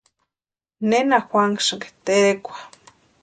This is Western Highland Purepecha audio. ¿Nena juanhasïnki terekwa?